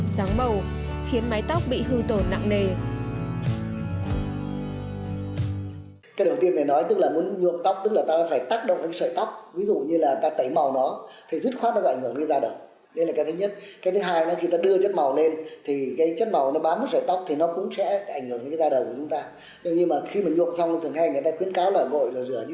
sáng màu khiến mái tóc bị hư tổn nặng nề